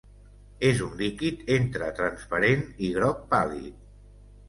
És un líquid entre transparent i groc pàl·lid.